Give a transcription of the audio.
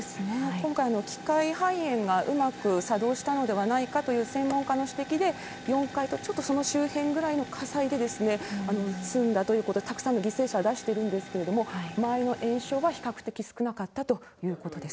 今回、排煙がうまく作動したのではないかという専門家の指摘で、４階とちょっとその周辺ぐらいの火災で、済んだということで、たくさんの犠牲者を出しているんですけれども、周りの延焼は比較的少なかったということです。